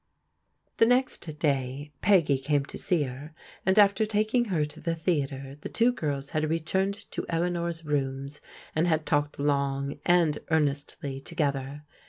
The next day Peggy came to see her, and after taking her to the theatre, the two girls had returned to Eleanor's rooms and had talked long and earnestly to gether.